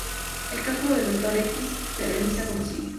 El cálculo del vector X se realiza como sigue.